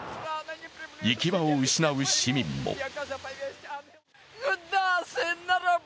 行き場を失う市民も。